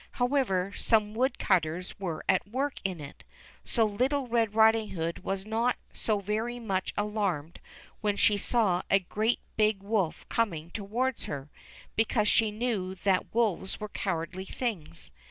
However, some wood cutters were at work in it, so little Red Riding Hood was not so very much alarmed when she saw a great big wolf coming towards her, because she knew that wolves were cowardly things.